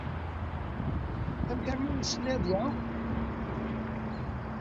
Amek armi ur yessin ara ad iɛum?